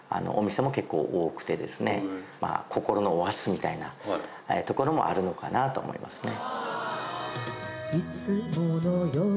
みたいなところもあるのかなと思いますね。